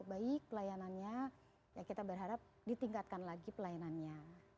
alhamdulillah sudah cukup baik pelayanannya kita berharap ditingkatkan lagi pelayanannya